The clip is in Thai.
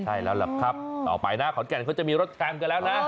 ใช่แล้วล่ะครับต่อไปนะขอนแก่นเขาจะมีรถแกรมกันแล้วนะ